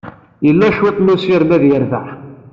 Yella cwiṭ n ussirem ad yerbeḥ.